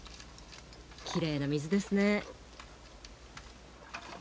きれいな水ですね。